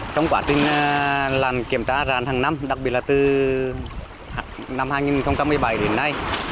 trong quá trình kiểm tra rạn hằng năm đặc biệt là từ năm hai nghìn tám mươi bảy đến nay